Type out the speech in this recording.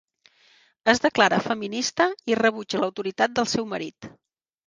Es declara feminista i rebutja l'autoritat del seu marit.